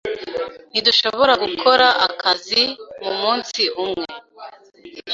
Ntidushobora gukora akazi mumunsi umwe.